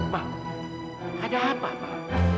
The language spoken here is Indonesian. ma ada apa ma